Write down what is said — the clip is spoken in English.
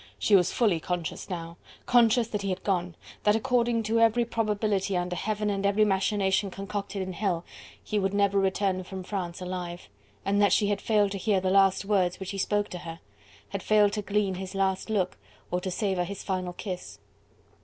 She was fully conscious now! conscious that he had gone! that according to every probability under heaven and every machination concocted in hell, he would never return from France alive, and that she had failed to hear the last words which he spoke to her, had failed to glean his last look or to savour his final kiss.